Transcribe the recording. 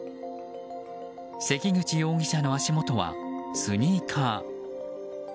関口容疑者の足元はスニーカー。